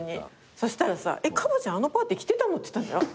そしたらさカバちゃんあのパーティー来てたの？って言ったんだよ。